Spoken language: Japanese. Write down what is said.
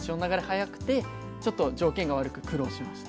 速くてちょっと条件が悪く苦労しました。